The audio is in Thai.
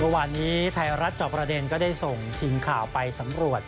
วันนี้ไทยรัฐจอบประเด็นก็ได้ส่งทีมข่าวไปสำรวจ